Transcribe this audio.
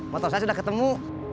motor saya sudah ketemu